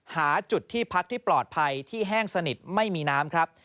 หาจุดที่พักที่ปลอดภัยที่แห้งสนิทไม่มีน้ำครับ